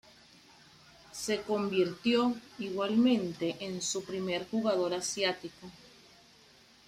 Se convirtió igualmente en su primer jugador asiático.